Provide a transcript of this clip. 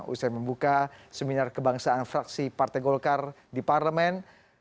usai membuka seminar kebangsaan fraksi partai golkar di parlemen